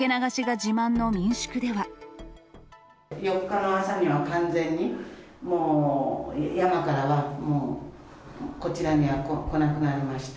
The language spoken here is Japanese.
４日の朝には完全に、もう山からは、もうこちらには来なくなりまして。